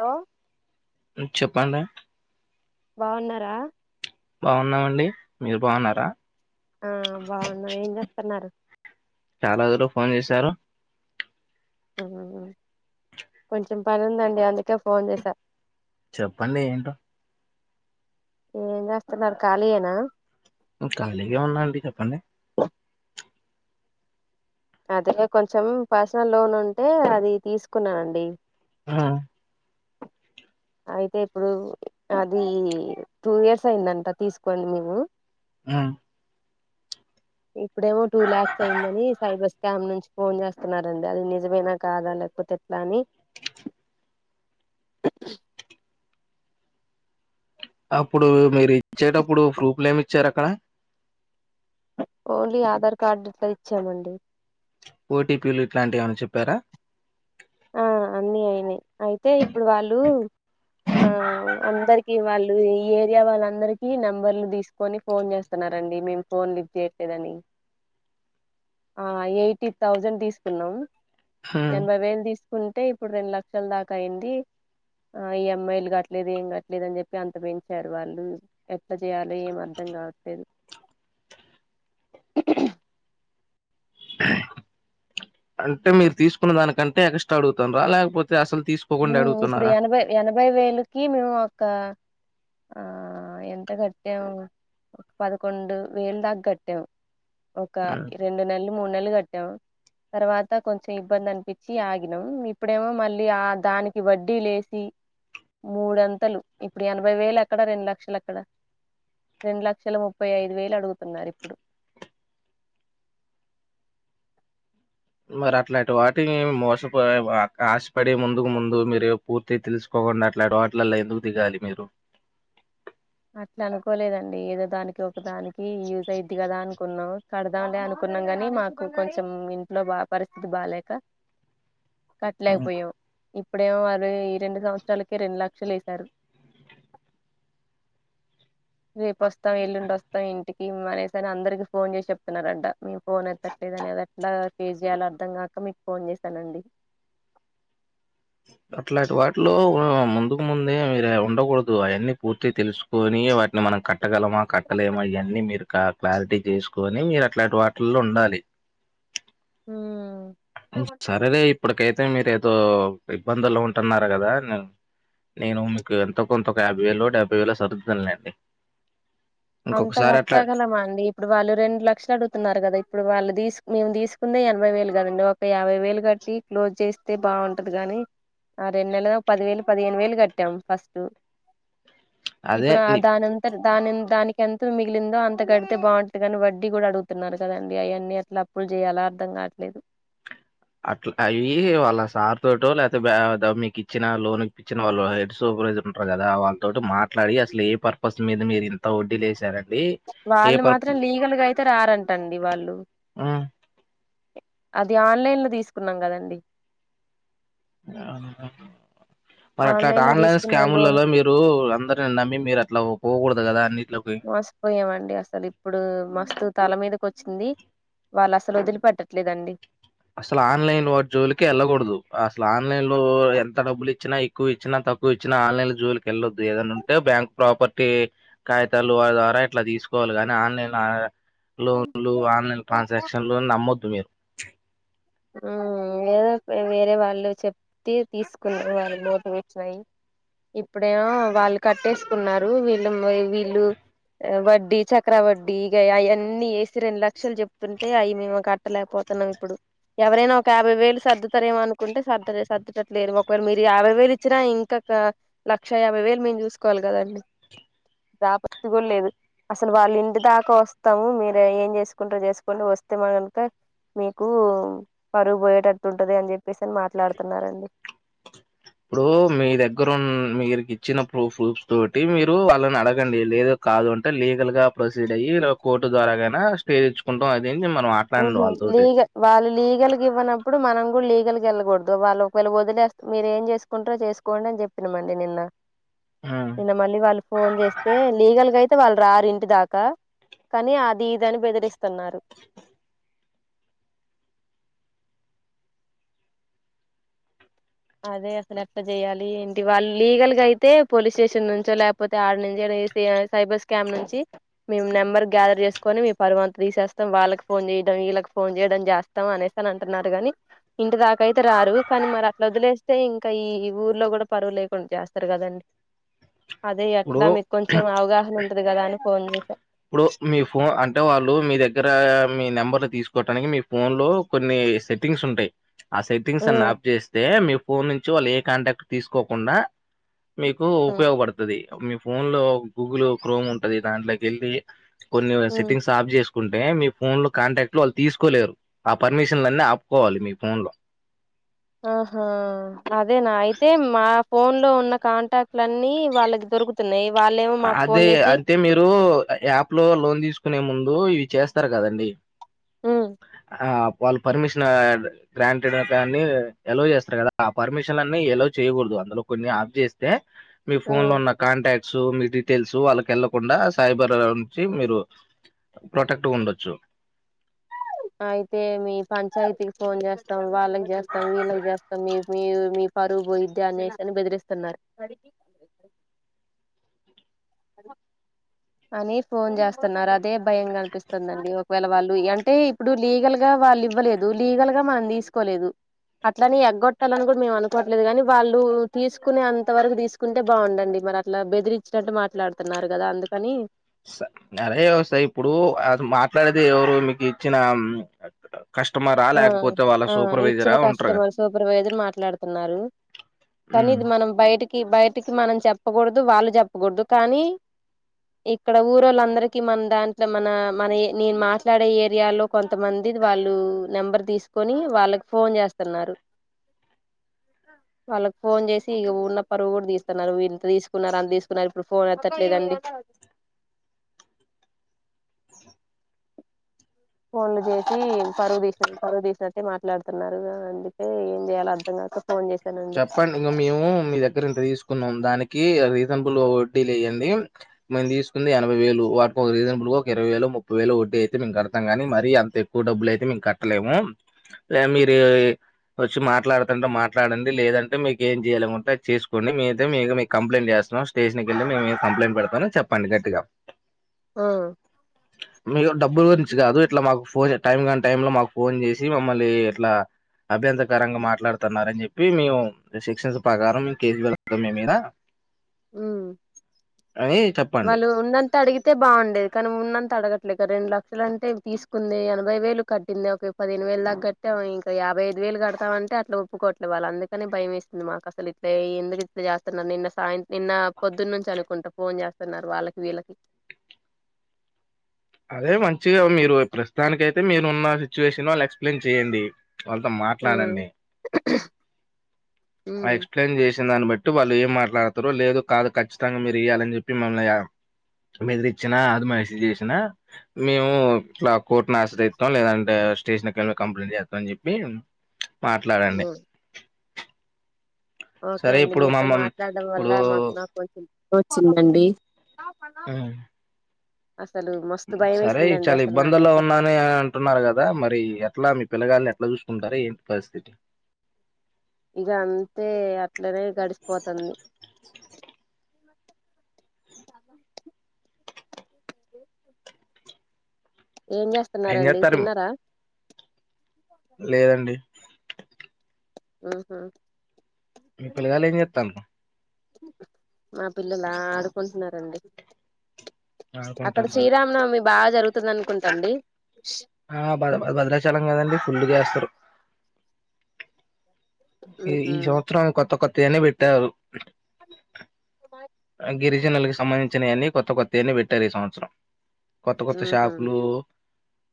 Hello చెప్పండి. బాగున్నారా? బాగున్నామండి మీరు బాగున్నరా? ఆ బాగున్నా ఏం చేస్తున్నారు. చాలా రోజులకు ఫోన్ చేశారు ఆ కొంచెం పని ఉందండి అందుకే ఫోన్ చేసా చెప్పండి ఏంటో ఏం చేస్తున్నారు ఖాళీయేనా ఖాళీగే ఉన్నా అండి చెప్పండి. అదే కొంచెం పర్సనల్ లోన్ ఉంటే అది తీసుకున్నానండీ. హ అయితే ఇప్పుడు అది టూ ఇయర్స్ అయిందంట తీసుకొనీ మేము మ్ ఇప్పుడేమో టూ ల్యాక్స్ అయిందని సైబర్స్ స్కాం నుంచి ఫోన్ చేస్తున్నారండి అది నిజమేనా కాదా లేకపోతే ఎట్లా అని అప్పుడు మీరి చేటప్పుడు ఫ్రూప్లు ఏం చ్చ అక్కడా ఓన్లీ ఆధార్ కార్డు ఒకటే ఇచ్చామండి. ఓటీపీలు ఇట్లాంటివి ఏమైన చెప్పారా ఆ అన్నీ అయినయి అయితే ఇప్పుడు వాళ్ళు ఆ అందర్ వాళ్ళు ఈ ఏరియా వాళ్ళందరికీ నెంబర్లు తీసుకొని ఫోన్ చేస్తున్నారండి మేము ఫోన్ లిఫ్ట్ చేయట్లేదని. ఆ ఎయిటీ థౌజండ్ తీసుకున్నాం. ఉమ్. యానభై వేలు తీస్ కుంటే ఇప్పుడు రెండు లక్షల దాకా అయింది. ఆ ఈ ఎమ్ ఐ లు కట్టట్లేదు ఏం గట్లేదు అని చెప్పి అంత పెంచారు వాళ్ళు ఎట్లా చేయాలో ఏం అర్ధం కావట్లేదు. అంటే మీరు తీసుకున్న దానికంటే ఎగస్ట్రా అడుగుతుంరా లేకపోతే అసల్ మ్ ఇప్పుడు ఎనభై ఎనభై వేలుకి మేము ఒక ఆహ ఎంత కట్టాము ఒక పదకొండు వేలు దాకా కట్టామ్ ఒక ఉమ్. రెండు నెలలు మూడు నెలలు కట్ తర్వాత కొంచెం ఇబ్బంది అనిపించి ఆగినం ఇప్పుడేమో మళ్ళీ ఆ దానికి వడ్డీ లేసి మూడంతలు ఇప్పుడు ఎనభై వేలు ఎక్కడ రెండు లక్షలు ఎక్కడ రెండు లక్షల ముప్పై ఐదు వేలు అడుగుతున్నారు ఇప్పుడు మరి అట్లాంటి వాటిని మోసపో ఆ ఆశపడి ముందుకు ముందు మీరు పూర్తి తెలుసుకోకుండా అట్లాంటి వాటిలల్ల ఎందుకు దిగాలి మీరు అట్లా అనుకోలేదండి ఏదో దానికి ఒక దానికి యూజ్ అయిద్ది కదా అనుకున్నాం. కడదాంలే అనుకున్నాం కాని మాకు కొంచెం ఇంట్లో బాగా పరిస్థితి బాలేేక ఉమ్. కట్టలేకపోయాం. ఇప్పుడేమో వారు ఈ రెండు సంవత్సరాలకే రెండు లక్షలు ఏసారు. రేపు వస్తాం, ఎల్లుండి వస్తాం ఇంటికి అనేసని అందరికి ఫోన్ చేసి చెప్తున్నారంట మీ ఫోన్ ఎత్తట్లేదు అనేదిట్లా ఫేజ్ చేయలో అర్ధం కాక మీకు ఫోన్ చేసానండి అట్లాంటి వాటిలో ముందుకు ముందే మీరే ఉండకూడదు. ఓ ఆయన్నీ పూర్తిగ తెలుసు. పోని వాటిని మనం కట్. కట్టగలమా కట్టలేమా ఇయన్నీ, మీరు కార్. క్లారిటీ చేసుకొని, మీరు అట్లాంటి వాటిల్లో ఉండాలి. ఉమ్. ఉమ్ సరేలే ఇప్పు. ఇప్పటికైతే మీరు ఏదో, ఇబ్బందులో ఉంటున్నారు, కదా న నేను మీకు ఎంతో కొంత యాభై వేలో డెబ్బై వేలో సర్దుతానలేండి. అంత గట్టగలమా అండి, ఇప్పుడు వాళ్ళు రెండు లక్షలు అడుగుతున్నారు గదా ఇప్పుడు వాళ్ళు. తీసు మేము తీసుకుందే ఎనభై వేలు కదండి ఒక యాభై వేలు కట్టి క్లోజ్ చేస్తే బాగుంటది గనీ, ఆ రెండు నెలల పదివేలు పదిహేను వేలు కట్టాము ఫస్టు. అదే ఇప్పుడు ని దానంతట, దానిం దానికి. ఎంత మిగిలిందో అంత కడితే బాగుంటది అనీ వడ్డీ కూడా అడుగుతున్నారు కదండి, ఆయన్నీ ఎట్లా అప్పులు చేయాలా అర్థం కావట్లేదు. అట్లా అయ్యి వాళ్ళ సార్ తోటో, లేకపోతే బ్యా మీకు ఇచ్చిన లోన్ ఇప్పిచ్చిన వాళ్ళు హెడ్ సూపర్వైజర్ ఉంటారు గదా, వాళ్ళతోటి మాట్లాడి, అసలు ఏ పర్పస్ మీద మీరు ఇంత వొడ్డీలు వేసారు అని. వాళ్ళు మాత్రం లీగల్గా అయితే, రారంటండి వాళ్ళు. హ్మ్. అది ఆన్లైన్ లో తీసుకున్నాం కదండి. అవునా. మరి అట్లాంటి ఆన్లైన్ లో స్కాములలో మీరు, అందరిని నమ్మి మీరు, అట్లా పో పోకూడదు. [unintelligible] మసిపోయామండి అసలు, ఇప్పుడు మస్తు. తల మీదకి కొచ్చింది, వాళ్ళు అసలు వదిలిపెట్టట్లేదండి. అసలు ఆన్లైన్ వా జోలికి వెళ్లకూడదు, అసలు ఆన్లైన్ లో, ఎంత డబ్బులు ఇచ్చినా ఎక్కువ ఇచ్చినా తక్కువ ఇచ్చినా ఆన్లైన్ లో జోలికి వెళ్లొద్దు ఏదనా ఉంటే, బ్యాంక్ ప్రాపర్టీ, కాఖగితాలు వాారి ద్వారా ఇట్లా తీసుకోవాలి గని ఆన్లైన్ అ. లోన్లు, ఆన్లైన్ ట్రాన్సాక్షన్లు నమ్మొద్దు మీరు. ఉమ్ వేరే వాళ్ళు చెప్తి తీసుకున్నారు వాళ్ళు మోటరొచ్చినాయి, ఇప్పుడేమో, వాళ్ళు కట్టేసుకున్నారు, వీళ్ళు వీళ్ళు వడ్డీ చక్ర వడ్డీ ఇగ ఆయన్ని ఎసి రెండు లక్షలు చెప్తుంటే, అయి మేము కట్టలేకపోతున్నాం ఇప్పుడు. ఎవరైనా ఒక యాభై వేలు సర్దుతారేమ అనుకుంటే సర్ సర్దుటట్లేరు ఒకవేళ మీరు యాభై వేలు ఇచ్చినా ఇంకా, క లక్ష యాభై వేలు మేము చూసుకోవాలి గదండి, ఆపత్తి కూడా లేదు, అసలు వాళ్ళ ఇంటి దాకా వస్తాము మీరు ఏం చేసుకుంటారో చేసుకోండి వొస్తే మతమ్ మీకు. కు పరువు పోయేటట్టు ఉంటది అని చెప్పేసి అని మాట్లాడుతున్నారండి. ఇప్పుడు మీ దగ్గర, మీకి ఇచ్చిన ప్రూఫ్ఫ్ తోటి, మీరు వాళ్ళని అడగండి, లేద కాదు అంటే లీగల్ గా ప్రొసీడ్ అయ్యి, కోర్టు ద్వారాగన స్టే తెచ్చుకుంటాం. అదేంటి మనం మాట్లాడండి ఓహో, వాళ్ళతోటి లీగ, వాళ్ళు లీగల్ గ ఇవ్వన పు. ఇప్పుడు మనం కూడా లీగల్గా వెళ్ళకూడదు, వాళ్ళ ఒకవేళ వొదిలేస్తే, మీరు ఏం చేసుకుంటారో చేసుకోండి, అని చెప్పినామండి నిన్న. ఆ నిన్న మళ్ళీ వాళ్ళు ఫోన్ చేస్తే, లీగల్ గా అయితే. అతే వాళ్ళు రారు ఇంటి దాకా, కానీ అది ఇది అని బెదిరిస్తున్నారు. అదే అసలు ఎట్టా జెయాలి, ఏంటి వాళ్ళు లీగల్ గా అయితే, పోలీస్ స్టేషన్ నుంచో లేకపోతే, ఆడ నుంచో ఎదో చేసి అ సైబర్ స్కామ్ నుంచి, మేము నెంబర్ గ్యాదర్ చేసుకొని మి పరు అంత తీసేస్తాం, వాళ్ళకి ఫోన్ చేయడం వీళ్ళకి ఫోన్ చేయడం చేస్తాం అనేసి అని అంటున్నారు గానీ, ఇంటి దాకయితే రారు, కానీ మరి అ. అట్లా వదిలేస్తే ఇంకా ఈ, ఊర్లో కూడా పరువు లేకుండా, చేస్తారు కదండి. అదే ఇప్పుడు ఎట్లా మీకు కొంచెం, అవగాహన ఉ. ఉంటది గదా అని, ఫోన్ చేసా. ఇప్పుడు మీ ఫోన్ అంటే వాళ్ళు మీ దగ్గర, మీ నెంబర్ తీసుకోవటానికి మీ ఫోన్ లో, కొన్ని, సెట్టింగ్స్, ఉంటాయి. ఆ సెట్టింగ్స్ అన్నీ, ఉమ్, ఆప్ చేస్తే మీ. ఫోన్ నుంచి వాళ్ళు ఏ కాంటాక్ట్ తీసుకోకుండా. మీకు ఉమ్, ఉపయోగపడుతది. మీ ఫోన్ లో గూగుల్ క్రోమ్ ఉంటది దాంట్లోకి కెళ్ళి కొన్ని స ఉమ్. సెట్టింగ్ ఆఫ్ జెస్ ఉంటే మీ ఫోన్ లో కాంటాక్ట్ లో వాళ్ళు తీసుకోలేరు ఆ పర్మిషన్లన్ని ఆపుకోవాలి మీ ఫోన్ లో ఆహా అదేనా అయితే మా ఫోన్ లో ఉన్న కాంటాక్ట్లఅన్నీ వాళ్ళకి దొరుకుతున్నాయి వాళ్ళేమో మాకు ఫోన్ అదే చేసి అంటే మీరు యాప్ లో లోన్ తీసుకునే ముందు ఉ ఇవి చేస్తారు కదండి ఉమ్. ఆ వాళ్ళు పర్మిషన్ గ్రాంటెడ్ అని ఎలో చేస్తారు కదా ఆ పర్మిషన్ అన్ని ఎలో చేయకూడదు అందులో కొన్ని ఆప్ చేస్తే మీ ఆ ఫోన్ లో ఉన్న కాంటాక్ట్స్ మీ డీటెయిల్స్ వాళ్ళకి ఎళ్ళకుండా సైబర్ నుంచి మీరు ప్రొటెక్ట్గా ఉండొచ్చు అయితే మీ పంచాయతీకి ఫోన్ చేస్తాం వాళ్ళకి చేస్తాం వీళ్ళకి చేస్తాం మీ మీ మీ పరువు పోయిద్ది అని అనేసి బెదిరిస్తున్నారు అద [unintelligible] అని ఫోన్ చేస్తున్నారు అదే భయం గ కనిపిస్తుందండి. ఒకవేళ వాళ్ళు అంటే ఇప్పుడు లీగల్ గా వాళ్ళు ఇవ్వలేదు, లీగల్ గా మనం తీసుకోలేదు అట్లని ఎగ్గొట్టాలని కూడా మేము అనుకోవట్లేదు, కాని వాళ్ళు తీసుకునే అంత వరకు తీసుకుంటే బాగుండండి. మరి అట్లా బెదిరించినట్టు మాట్లాడుతున్నారు కదా అందుక్ పని స అవే వస్తాయ్ ఇప్పుడు అది మాట్లాడేది ఎవరు మీకు ఇచ్చిన మ్మ్ ఆ ఆ ఇచ్చిన ఉంటారు కదా కస్టమర్ సూపర్వైజర్ మాట్లాడుతున్నారు. కానీ హ్మ్. ఇది మనం బయటికి బయటికి మనం చెప్ చెప్పకూడదు వాళ్ళు చెప్పకూడదు కానీ ఇక్కడ ఊరోళ్ళందరికి మన దాంట్లో మన మన నేను మాట్లాడే ఏరియాలో కొంతమంది వాళ్ళు నెంబర్ తీసుకొని వాళ్ళకి ఫోన్ చేస్తున్నారు, వాళ్ళకు ఫోన్ చేసి ఇక ఉన్న పరువు కూడా తీస్తున్నారు, వెళ్ళు ఇంత తీసుకున్నారు అంత తీసుకున్నారు ఇప్పుడు ఫోన్ ఎత్తట్లేదండి. ఫోన్లు చేసి పరువు తీసి పరువు తీసినట్టే మాట్లాడుతున్నారు అందుకే ఏం చేయాలి అర్ధం కాక ఫోన్ చేశానండి చెప్పండి ఇంక మేము మీ దగ్గర ఇంత తీసుకున్నాం దానికి రీజనబుల్ వడ్డీ లేయండి, మేము తీసుకు ఎనభై వేలు వాటి ఒక రీజనబుల్ ఒక ఇరవై వేలో ముప్పై వేలో వడ్డీ అయితే మే కడతాం కాని మరీ అంత ఎక్కువ డబ్బులు అయితే మేం కట్టలేము మేం మీరు వచ్చి మాట్లాడుతంటె మాట్లాడండి లేదంటే మీకు ఏం చేయాలనుకుంటే అది చేసుకోండి మేం ఐతే మీకు మీ మీద కంప్లైంట్ చేస్తున్నాం స్టేషన్ కిల్లి మేం కంప్లంట్ పెడతామ్ చెప్పండి గట్టిగా ఆ మీకు డబ్బులు గురించి కాదు ఇట్లా మాకు ఫోన్ టైం కానీ టై లో మాకు ఫోన్ చేసి మమ్మల్ని ఇట్లా అభ్యంతరకరంగా మాట్లాడుతున్నారని చెప్పి ఇ మేము సెక్షన్స్ ప్రకారం కేసు వెడతాం మీ మీద ఉమ్ అనీ వాళ్ళు ఉన్నంత అడిగితే బాగుండేది కానీ ఉన్నంత అడగట్లేక రెండు లక్షల అంటే తీసుకుంది ఎనభై వేలు కట్టింది ఒక పదిహేను వేలు దాకా కట్టమ్ ఇంకా యాభై ఐదు వేలు కడతామంటే అట్లా ఒప్పుకోవట్లే వాళ్ళ అందుకని భయం వేసింది, మాకు అసలు ఇట్లా ఎందుకు ఇట్ల చేస్తున్నారు నిన్న సాయంత్రమ్ నిన్న పొద్దున్న నుంచి అనుకుంటా ఫోన్ చేస్త నర్ వాళ్ళకి వీళ్ళకి అదే వాళ్ళతో ఉమ్ మాట్లాడండి ఉమ్ ఎక్స్ప్లెయిన్ చేసిన్ దాన్ని బట్టి వాళ్ళు ఏం మాట్లాడతారు లేదు కాదు క ఖచ్చితంగా మీరు ఇయ్యాలని చెప్పి మమ్మల్ని బెదిరి ఇచ్చినా అది మెసేజ్ చేసినా మేము ఇట్లా కోర్టుని ఆశ్రయిస్తాం లేదంటే స్టేషన్ కెళ్ళి కంప్లైంట్ చేస్తాం అని చెప్పి మాట్లాడండి ఉమ్ ఓకే సరే అండి ఇప్పుడు మీతో మమ్మం మాట్లాడడం వల్ల ఇప్పుడు నా నాకు కొంచం చిందండి ఆ అసలు మస్తు భయం సరే వేసిందండి చాలా అసలు ఇబ్బందుల్లో నాకైతే ఉన్నాను అని అంటున్నారు కదా మరి ఎట్లా పిల్లగాల్ని ఎట్లా చూసుకుంటారో ఏంటి పరిస్థితి ఇక అంతే అట్లనే గడిచిపోతుంది ఏం ఏం చేస్తున్నారండి చేస్తారు తిన్నారా లేదండి మ్మ్ హ్మ్ మీ పిల్లగాళ్ళు ఏం చేస్తాండు మా పిల్లల ఆడుకుంటున్నారు అండి అక్కడ ఆడుకుంటాండ్రా శ్రీరామనవమి బాగా జరుగుతుంది అనుకుంటాండి ఆ భద్రాచలం కదండి ఫుల్గా చేస్తారు ఏ ఉహు ఈ సంవత్సరం కొత్త కొత్త తేనే పెట్టారు [inaudible] గిరిజనల్కి సంబంధించిన అన్ని కొత్త కొత్తేని పెట్టారు ఈ సంవత్సరం కొత్త కొత్త ఉహు షాపులు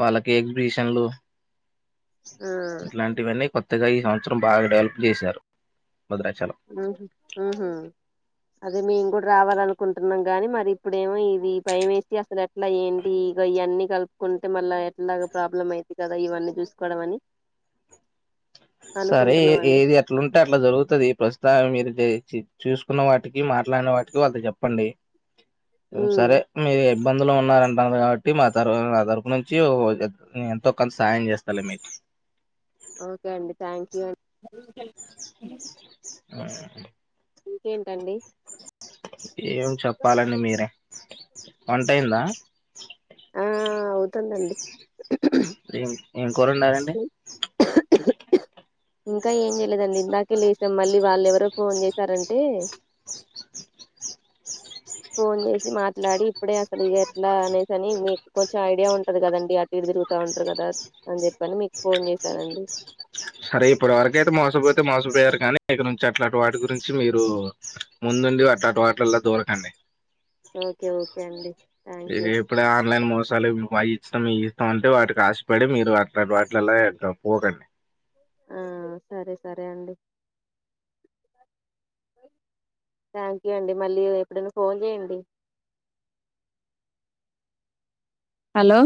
వాళ్ళకి ఎగ్జిబిషన్లు ఆ ఇట్లాంటివన్నీ కొత్త కొత్తగా ఈ సంవత్సరం బాగా డెవలప్ చేశారు భద్రాచలం మ్మ్ హ్మ్ మ్మ్ హ్మ్ అదే మేము కూడా రావాల అనుకుంటున్నాం గాని మరి ఇప్పుడేమో ఇది భయం వేసి అసలు ఎట్లా ఏంటి ఇ ఇ అన్నీ కలుపుకుంటే మళ్ళా ఎట్లా ప్రాబ్లం అయిది కదా ఇవన్నీ చూసుకోవడం అని సరే అనుకుంటున్నాం అండి ఏది ఎట్లుంటే అట్లా జరుగుతుంది ఈ ప్రస్తు మీరు చూసుకున్న వాటికి మాట్లాడిన వాటికి వాళ్ళ చెప్పండి ఉమ్ సరే మీ ఇబ్బందులు ఉన్నారంటన్నారు కాబట్టి మా తర నా తరపు నుంచి ఎంతో కొంత సాహాయం చేస్తలే మీకు ఓకే అండి థ్యాంక్ యూ మ్మ్ ఇంకేంటండి ఏం చెప్పాలండి మీరే వంట అయిందా ఆ అవుతుందండి ఇప్పుడు ఏం ఏంకూర వండారండి. ఇంకా ఏం చేయలేదండి. ఇందాకే లేష్ణం. మళ్ళీ వాళ్ళెవరో ఫోన్ చేశారంటే. ఫోన్ చేసి మాట్లాడి, ఇప్పుడే అసలు ఎట్లా అనేసి. కానీ మీకు కొంచెం ఐడియా ఉంటది కదా అండి. అటు ఇటు తిరుగుతూ ఉంటారు కదా. అంజప్పని మీకు ఫోన్ చేశాను అండి. సరే ఇప్పటివరకు అయితే మోసపోతే మోసపోయారు గాని ఇకనుంచి అట్లాంటి వాటి గురించి మీరు ముందుండి అట్లాంటి వాట్లల్లో దూరకండి. ఓకే ఓకే అండి థ్యాంక్ యూ ఇది ఇప్పుడే ఆన్లైన్ మోసాలు ఇవి ఐ సమీసం ఉంటే వాటికి ఆశపడి మీరు అట్లా వాటిల్ల అట్రా పోకండి. ఆ సరే సరే అండి. థాంక్యూ అండి మళ్లీ ఎప్పుడైనా ఫోన్ చేయండి. హలో.